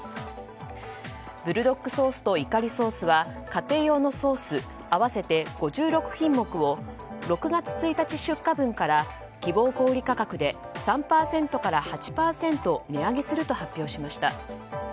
ブルドックソースとイカリソースは家庭用のソース合わせて５６品目を６月１日出荷分から希望小売価格で３％から８％値上げすると発表しました。